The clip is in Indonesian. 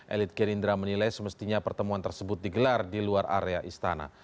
elit gerindra menilai semestinya pertemuan tersebut digelar di luar area istana